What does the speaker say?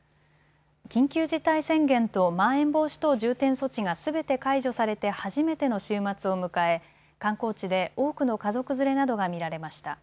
緊急事態宣言とまん延防止等重点措置がすべて解除されて初めての週末を迎え観光地で多くの家族連れなどが見られました。